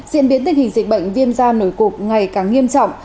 diễn biến tình hình dịch bệnh viêm da nổi cục ngày càng nghiêm trọng